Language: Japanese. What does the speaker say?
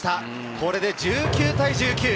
これで１９対１９！